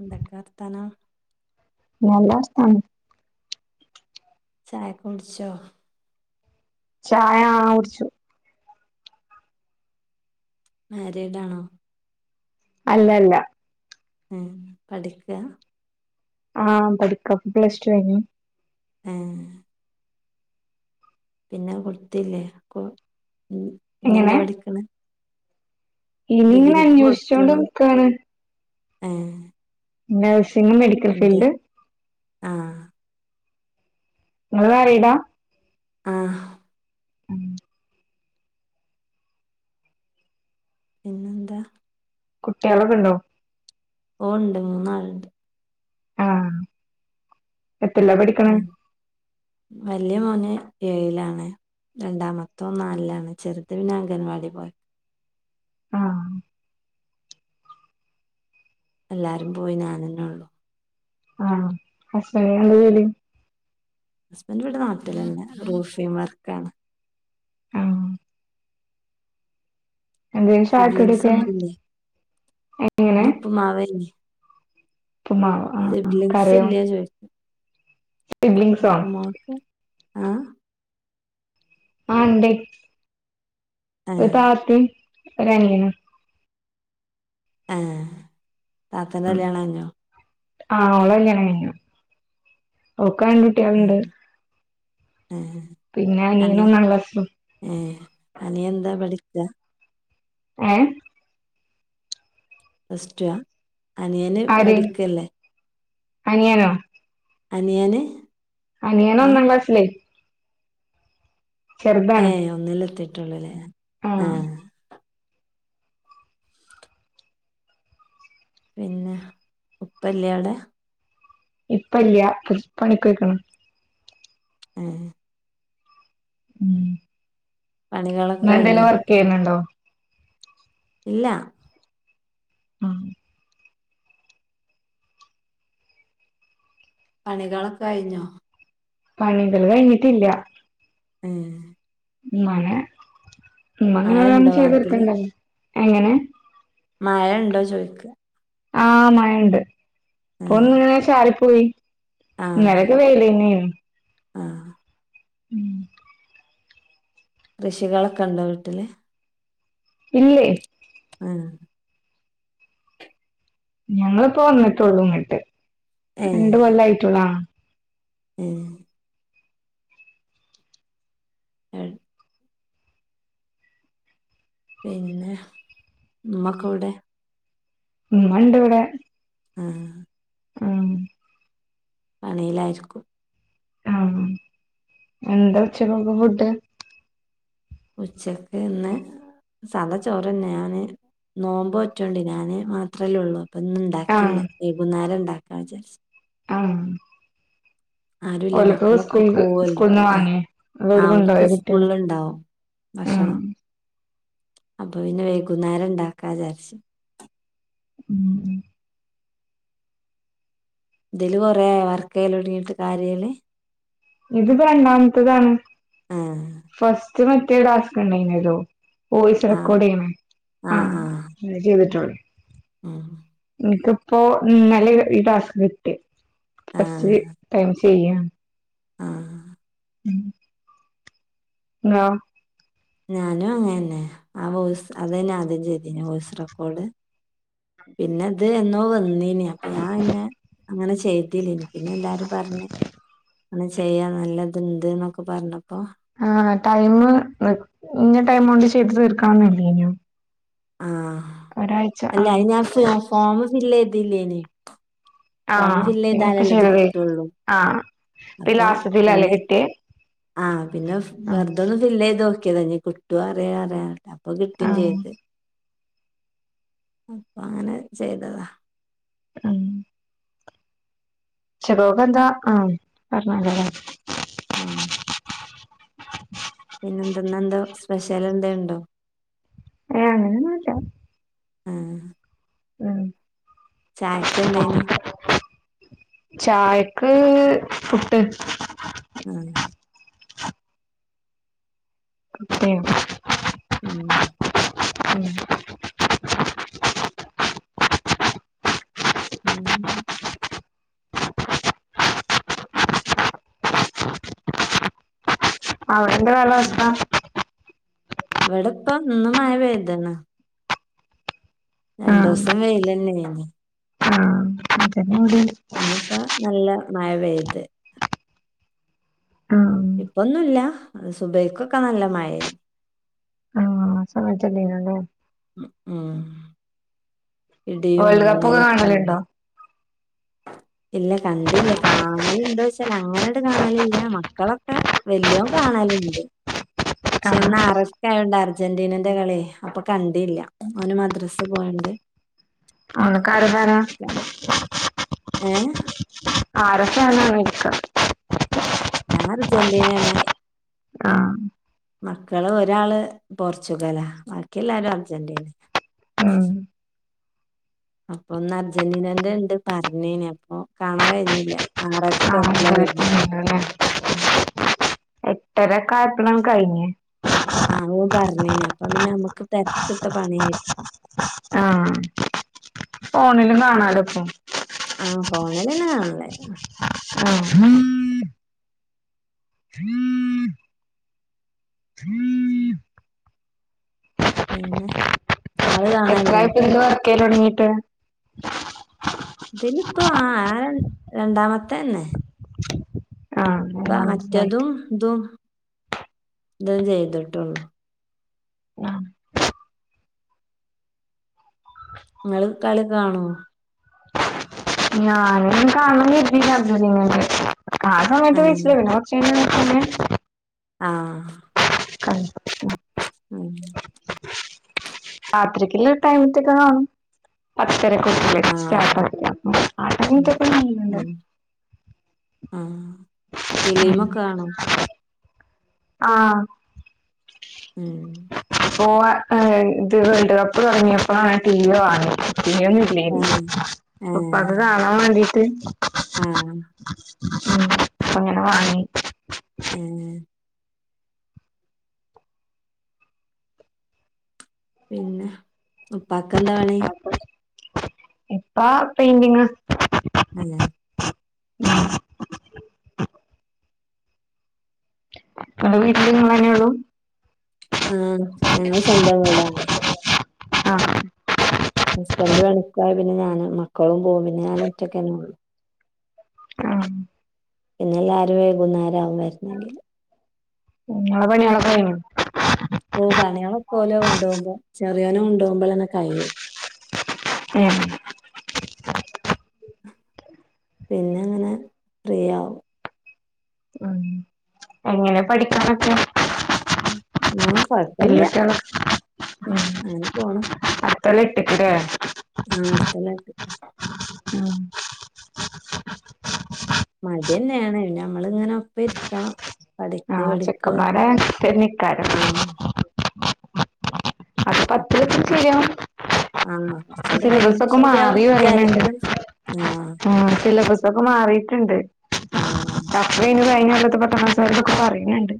എന്തക്കെ വർത്താനം നല്ലർത്താനം ചായൊക്ക കുട്ച്ചോ? ചായ ആ കുടിച്ചു മാര്യാഡാണോ? അല്ലല്ല മ് പഠിക്കാ? ആഹ് പഠിക്ക ഇപ്പ പ്ല സ് ടു കഴിഞ്ഞു ഏഹ് പിന്നെ കൊട്ത്തില്ലേ കൊ എങ്ങനെ ഇഞ്ഞെന്താ പഠിക്ക്ണെ? ഇനിങ്ങെനെ അന്വോഷിച്ചോണ്ട് ന്ക്കാണ് ഏഹ് നഴ്സിങ്ങ് മെഡി അതെ ആഹാ ഇങ്ങള് മാര്യാഡാ? ആഹ് പിന്നെന്താ കുട്ടികളൊക്കെ ഉണ്ടോ ഓ ഉണ്ട് മൂന്നാളുണ്ട് ആഹ എത്തില്ല പഠി വലിയ മോന് ഏഴിലാണ് രണ്ടാമത്തോൻ നാലിലാണ് ചെറുത് പിന്നെ അംഗൻവാടി പോയ ആഹ് എല്ലാരും പോയി ഞാൻ തന്നെ ഉള്ളൂ ഹസ്ബൻഡന് എന്ത ജോലി ഹസ്ബൻഡ ഇവിടെ നാട്ടിൽ തന്നെ റൂഫിമാർക്കാണ്. ആഹ് എന്തേലും ചായക്കടിയൊക്കെ സിബ്ലിംഗ്സൊന്നുല്ല എങ്ങനെ ഇന്ന് ഉപ്പുമാവ് തന്നെ ഉപ്പുമാവോ. ആഹ് സിബ്‌ലിങ്സ് കറിയോ ഇല്ല ചോയിക്കാ സിബ്ലിങ്സോ ഉപ്പമാക്ക് ആഹ ആ ഉണ്ട് ഏ ഒരു താത്തിം ഒരു അനിയനും ആ താത്തൻ്റെ കല്യാണം കഴിഞ്ഞോ ആഹ ഓളെ കല്യാണം കഴിഞ്ഞു. ഓക്കാണെ കുട്ട്യാളുണ്ട് ഉം ഏ പിന്നെ അനിയന് അനിയൻ ഒന്നാം ക്ലാസിൽ ഏ അനിയൻ എന്താ പഠിക്ക്ണേ ഏ പ്ലസ് ടു അനിയന് ആര് പഠിക്കല്ലേ അനിയനോ അനിയന്. അനിയന് ആ ഒന്നാം ക്ലാസ്സിലേ ഏ ചെറുതാണ് ഒന്നില എത്തിട്ടുള്ളൂല്ലേ ആഹ് ആഹ പിന്നെ ഉപ്പല്ലടെ ഇപ്പല്ല്യാ പണിക്കൊയ്ക്ണ് ഏ ഉ പണികളൊക്കെ നിങ്ങ എന്തെിലും കഴിഞ്ഞോ വർക്ക് ചെയ്യുന്നുണ്ടോ ഇല്ല ആഹ് പണികളൊക്കെ കഴിഞ്ഞോ പണികള് കയിഞ്ഞിട്ടില്ല ഉം മഴ ഉമ്മ അങ്ങനെ മഴ ഓരോന്ന് ഉണ്ടോ നാട്ടില് ചെയ്തടുക്കണ്ടല്ലോ എങ്ങനെ മഴ ഉണ്ടോ ചോയ് ക്ക് ആ മഴ ഇണ്ട് ഏ ഇപ്പൊ ഒന്ന് ഇങ്ങനെ ചാറി പോയി ഇന്നലൊക്കെ വെയിലെനെന്നു യ് ആഹ് ഉം കൃഷികളൊക്കെ ഉണ്ടോ വീട്ടില് ഇല്ലെ ആഹ ഞങ്ങള്പ്പോ വന്നിട്ടള്ളൂ ഇങ്ങട്ട് രണ്ട് കൊല്ലായിറ്റള്ളൂ ആ ഏ ഏ പിന്നെ ഉമ്മക്ക വടെ ഇമ്മണ്ട് ഇവിടെ ആഹ് ആഹ് പണിയിലായിരിക്കും ആഹ് എന്താ ഉച്ചക്കൊക്കെ ഫുഡ്? ഉച്ചക്ക് ഇന്ന് സാധാ ചോറ് തന്നെ ഞാന് നോമ്പോറ്റം ഉണ്ട് ഞാന് മാത്രല്ലേ ഉള്ളൂ ഇപ്പൊ ഉണ്ടാക്കില്ല ആഹ് വൈകുന്നേരം ഉണ്ടാക്കാ വിചാരിച്ച് ആഹ് ആരുമില്ല ഓലക്ക് മക്കളൊക്കെ സ്കൂൾക്ക് പോവല്ലോ സ്കൂൾന്ന് ആഹ് വാങ്ങി അതോല് കൊണ്ടോയ അവർക്കു കുട്ട്യാള് സ്കൂളിൽ ഉണ്ടാവും ആഹ് ഭക്ഷണം അപ്പം പിന്നെ വൈകുന്നേരം ഉണ്ടാക്കാ വിചാരിച്ചു. ഉം ! ! ! ! ! ! ! ! ! ! ! ഇത് ഇപ്പൊ രണ്ടാമത്തെതാണ് ആ ഫസ്റ്റ് മറ്റേ ഡാസ്ക് ഉണ്ടായിനല്ലോ വോയിസ് ആ റെക്കോർഡ് ചെയ്യണേ ആ ചെയ്തിട്ടോണ്ട് ആഹ് എനിക്കിപ്പോ ഇന്നലെ ഈ ടാസ്ക് കിട്ടി ആ ഫസ്റ്റ് ടൈം ചെയ്യാ ആഹ് ഉം [unintelligible] ഞാനും അങ്ങനെ ആ വോയിസ് അതുതന്നെയാ ആദ്യം ചെയ്തിന്നു വോയിസ് റെക്കോഡ് പിന്നെ അത്‌ എന്നോ വന്നി യേനി അപ്പം ഞാന് ഇന്നെ അങ്ങനെ ചെയ്തിലനി പിന്നെ എല്ലാരും പറഞ്ഞ് അന്ന് ചെയ്യാ നല്ലത് ഉണ്ടന്നൊക്കെ പറഞ്ഞപ്പൊ ആഹ് ടൈം ഇന്നാ ടൈം കൊണ്ട് ചെയ്ത് തീർക്കാം എന്നില്ലേന്നു ആഹ് അല്ല ആഹ് ഞാൻ ഫോമ് ഫില് ചെയ്തില്ലെന്നു ആ പിന്നെപ്പം ഇത് ചെയ്തത് കിട്ടുള്ളൂ ആഹ് പിന്നെ ലാസ്റ്റിലത്തേതിൽ ആല്ലേ കിട്ടിയേ ആ പിന്നെ ആഹ് വെറുതൊന്നും ഫിൽ ചെയ്ത് നോക്കിയതാ ഇനി കിട്ടുവോ അറിയാ അറിയല്ലോ ഇപ്പൊ കിട്ടുകേം ആഹ് ചെയ്ത് അങ്ങനെ ചെയ്തതാ ഉം ചെറോകന്താ ആ പറഞ്ഞാരുന്നല്ലേ ആഹ് പിന്നെ എന്തുനുയേന്തോ സ്പെഷ്യൽ എന്തെലുണ്ടോ? ഏഹ് അങ്ങനെ ഒന്നുമില്ല ആഹ് ഉം [inaudible] ചായക്ക് എന്തേനി ചായയെക്ക് പുട്ട് ആഹ് അതെ ഉം ഉം പിന്നെയെന്താ അവിടെ എന്താ കാലാവസ്ഥ ഇവിടെ ഇപ്പം ഇന്ന് മഴ പെയ്തെന്നു രണ്ടു ആഹ് ദിസം വെയിൽ തന്നെയാ [unintelligible] ഇപ്പം നല്ല മഴ പെയ്ത് ആഹ് ഉം ഇപ്പമൊന്നുമില്ല സുബൈക്കൊക്കെ നല്ല മഴയാ ആഹ് ആ സമയത്ത് അല്ലെള്ളു ഉം ഉം ഇടിയും വേൾഡ് കപ്പ് ഒക്കെ മിന്നലുമൊക്കെ ഉണ്ടാ കാണലുണ്ടോ ഇല്ല കണ്ടില്ല കാണലുണ്ടോ ചോദിച്ചാൽ അങ്ങനെ അങ്ങോട്ട്‌ കാണലില്ല മക്കളൊക്കെ വലിയോൻ കാണാനുണ്ട് പക്ഷെ ആഹ് എന്നാ അറസ്റ്റ് ആയോണ്ടാരാരുന്നു അർജന്റീനന്റെ കളി അപ്പൊ കണ്ടല്ല അവന് മദ്രാസ് പോയണ്ട് ആനക്കറ് വാര ഏ ആര സനഴിക്ക ഞാൻ അർജന്റീനയാണ് ആഹ മക്കള് ഒരാള് പോർച്ചുഗലാ ബാക്കിയ എല്ലാരും അർജന്റീന ഉം അപ്പൊ ഒന്ന് അർജന്റീനന്റെ ഉണ്ട് പറഞ്ഞേനെ അപ്പൊ കാണാൻ കഴിഞ്ഞില്ല ആ സ്കപ്പ്ലോ ആണല്ലേ ഇയ ഇട്ടര കയപ്പണം കഴിഞ് ആഹ് ഓ പറഞ്ഞേന അപ്പ പിന്നെ നമ്മുക്ക് തിരക്കിട്ട പണിയായിരിക്കും ആഹ ഫോണിലും കാണാലുംപ്പ ആഹ ഫോണിലന്നൊണല്ലേ ആഹ പിന്നെ നിങ്ങള് കാണലുണ്ടോ എത്രയട്ട എന്ത വർക്കേ തുടങ്ങീട്ട് ഇതിലപ്പോ ആ രണ്ടാമത്തെ തന്നെ ആഹ് അപ്പൊ മറ്റതും ഒന്നാമതായിട്ട് ഇതും ഇത ചെയ്തിട്ടുള്ളു ആ നിങ്ങള് കളി കാണുമോ ഞാന കാണ എങ്ങ ആ സമയത്ത് ആഹ് വഴിച്ചില്ലേ പിന്നെ കുറച്ചന്നെ ആ ആ ഉം രാത്ക്കല്ല ഒരു ടൈമത്തക്കെ കാണും ആഹ് [unintelligible] ആഹ ഫിലിമൊക്കെ കാണോ ആഹ ഉം അ ഇത് വേൾഡ് കപ്പ് തുടങ്ങിയപ്പോളാണ് ടീവി വാങ്ങിയെ നേരി ഏഹ് ഉപ്പാക്ക് കാണാൻ വേണ്ടീട്ട് ഹാ അങ്ങനെ വാങ്ങി എ പിന്നെ ഉപ്പാക്കെന്താ പണി ഇപ്പ പെയ്ന്റിങ് അന്നെ ഇങ്ങള വീട്ടില് ഇങ്ങളെന്നെയൊള്ളൂ ഹാ ഞങ്ങള സ്വന്തം വ്ടാ ഹാ ഹസ്ബൻഡറ് പണിക്കോയ പിന്നെ ഞാനും മക്കളും പോകും പിന്നെ ഞാൻ ഒറ്റക്കെനൊള്ളൂ ഹാ പിന്നെ ല്ലാവരും വൈകുന്നേര ആകും വരണെങ്കിൽ ഇങ്ങളെ പണിയൊ ഓ പണികളെക്കെലെ കൊണ്ടപോമ്പോ ചെറിയോന കൊണ്ടപോമ്പോ തന്നെ കഴിയും എ പിന്നെ അങ്ങനെഫ്രീ ആകും ഉ എങ്ങനെ പഠിക്കാനക്ക ആ കൊഴപ്പല്ല അങ്ങനെ പോണ് അടുത്തൊല്ല എട്ടക്ക്ലേ അ അടുത്തല്ലം എട്ട്ക് മടിന്നെണ് നമ്മളിങ്ങനെ ഒപ്പം ഇര്ക്കണം പഠിക്ക് ആഹ് പഠിക്ക് എന്ന് പറഞ്ഞാ ചെക്കന്മാരെ തെന്നെയ്ക്കാരം ആ അപ്പ അത്രക്കെ അപ്പൊ ശെരിയാവും ആഹ് കുറച്ചൂടെ കഴിയുമ്പോ ശരിയാവൂന്ന് വിചാരിക്ക ആ സിലബസക്കെ മാറിട്ണ്ട് ആഹ് വയ്ന് കഴിഞ്ഞല്ലത്തെ പസാക്കക്കെ പറണ് ണ്ട്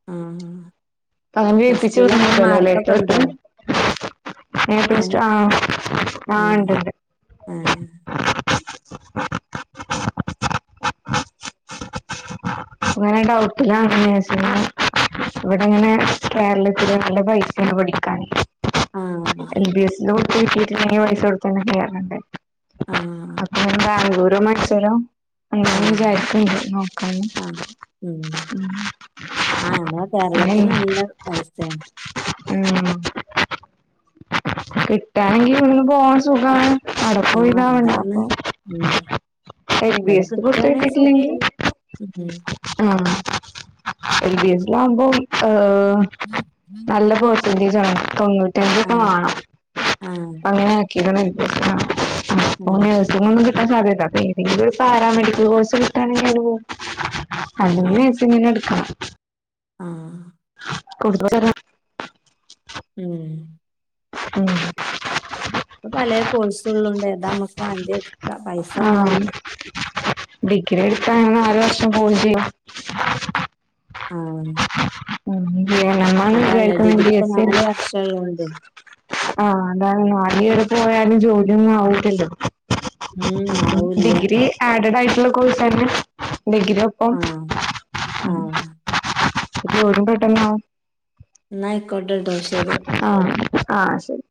ആഹ് അങ്ങനെ പ്ലസ് വേൽപ്പിച്ചു ടുൽ അങ്ങനെ വിട്ലല്ലോ മാർക്കൊക്കെ ലേട്ടർ ഉണ്ടോ എ ഏ ഉം പ്ലസ്റ്ററ്റുണ്ട്ണ്ട് ആ അങ്ങനെ കാട്ടിലാ വിചാരിച്ച് ഇവിടെങ്ങനെ കേരളത്തില് നല്ല പൈസേണ പഠിക്കാൻ ആ എൽ ബി എസ് പൈസ കൊടുത്ത്ന്ന്കയ ആ അപ്പൊ ബാംഗ്ലൂരൊ മയ്സൂരോ ആ [unintelligible] [unintelligible] നോക്കാന് ആ ഉം ആ എന്നാ പിന്നെ കേരളത്തിന് നല്ല പൈസേണ് ഉം കിട്ടാനെങ്കി ഇവിട്ന്ന് പോവാൻ സുഖാണ് ആ അടപ്പുതാവണ്ട അതാണ് അപ്പൊ ഉം എ ൽബീ ഇവിടെ എസ് പുത്ത കിട്ടാണെ കിട്ടീട്ടിലെങ്കി സുഖേനി ഉം അ എൽ ബി എ സില ആവുമ്പേ ഏഹ് [inaudible] പേസ്റ്ററ്റേജാണ് ആ തൊണ്ണൂറ്റഞ്ചൊക്കെ വാണം ആ അങ്ങനെ ന്നാണ് ഉം പോന്നെ ടെസ്റ്റ് കൊന്നും കിട്ടാൻ സാധ്യത അപ്പൊ ഏതെങ്കിലും പാരാമെഡിക്കൽ കോഴ്സ് കിട്ടണെങ്കിൽ അയിന് പോവും ആ അല്ലെങ്കി നഴ്സിങ്ങ്ന് എട്ക്ക ആഹ് കുടുബതര ഉം ഉം ഇപ്പൊ പലേ കോഴ്സുകളൊണ്ടെ ഏതാ നമ്മുക്ക് വാണ്ടിയെ പൈസ വേണം ആഹ് ഡിഗ്രി എടുത്താ ന്നാലു വർഷം പോകും ചെയ്യും ആഹ് [unintelligible] ആണ് അതാല്ലേ വിചാരിക്കുന്നത് ഡിഗ്രി ബി ഇപ്പൊ എസ് സി നാല് അല്ല വർഷൊള്ളണ്ടേ ആഹ് അതാണ് നാല് പേര് പോയാലും ജോലിയൊന്നും ആവത്തില്ലല്ലോ ഉം ആവൂല്ല ഡിഗ്രി ആഡഡ് ആയിട്ടുള്ള കോഴ്സാരുന്നെ ഡിഗ്രിയോ ആ ആ [unintelligible] പെട്ടന്നാവും ഇന്നായിക്കോട്ടെട്ടോ ശെരി ആഹ് ആഹ് ശെരി